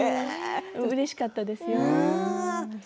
うれしかったですよ。